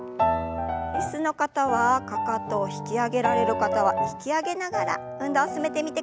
椅子の方はかかとを引き上げられる方は引き上げながら運動を進めてみてください。